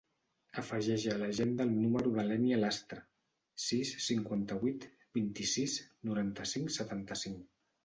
Afegeix a l'agenda el número de l'Ènia Lastra: sis, cinquanta-vuit, vint-i-sis, noranta-cinc, setanta-cinc.